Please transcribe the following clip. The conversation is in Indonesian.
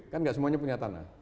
kan gak semuanya punya tanah